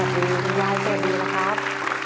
คุณแดงสวัสดีครับ